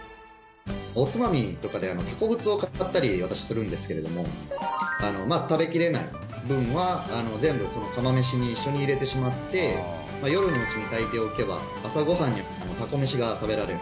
おつまみとかでタコぶつを買ったりするんですけど食べ切れない分は全部、釜めしに一緒に入れてしまって夜のうちに炊いておけば朝ご飯にタコ飯が食べられる。